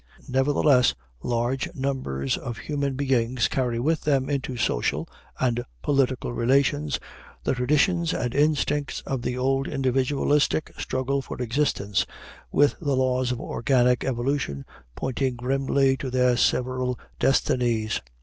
Nevertheless, large numbers of human beings carry with them into social and political relations the traditions and instincts of the old individualistic struggle for existence, with the laws of organic evolution pointing grimly to their several destinies.